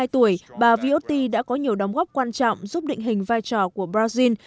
sáu mươi hai tuổi bà viotti đã có nhiều đóng góp quan trọng giúp định hình vai trò của brazil